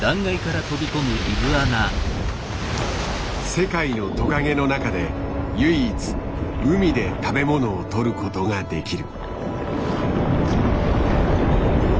世界のトカゲの中で唯一海で食べものをとることができる。